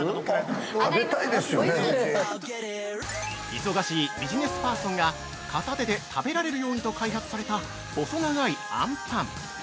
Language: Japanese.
◆忙しいビジネスパーソンが片手で食べられるようにと開発された細長いあんパン。